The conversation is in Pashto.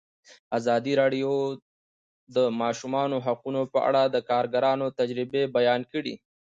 ازادي راډیو د د ماشومانو حقونه په اړه د کارګرانو تجربې بیان کړي.